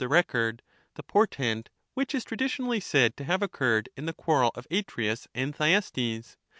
467 the record, the porteirt^ which is traditionally said to have Statesman, occurred in the quarrel of Atreus and Thyestes.